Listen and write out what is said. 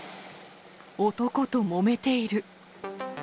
男ともめている。